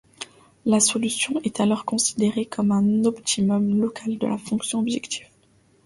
La solution est alors considérée comme un optimum local de la fonction objectif.